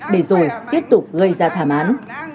để rồi tiếp tục gây ra thảm án